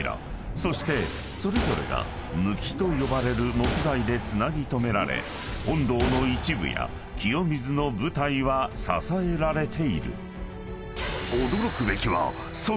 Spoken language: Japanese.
［そしてそれぞれが貫と呼ばれる木材でつなぎ止められ本堂の一部や清水の舞台は支えられている］